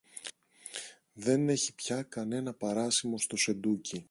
Δεν έχει πια κανένα παράσημο στο σεντούκι